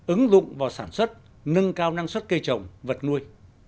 ứng dụng vào sản xuất nâng cao năng suất cây trồng vật nuôi